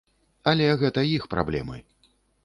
Але гэта іх праблемы.